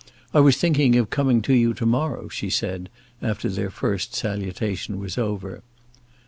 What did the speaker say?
"I was thinking of coming to you to morrow," she said, after their first salutation was over.